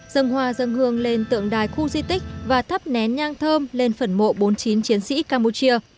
dâng hoa dâng hương lên tượng đài khu di tích và thắp nén nhang thơm lên phần mộ bốn mươi chín chiến sĩ campuchia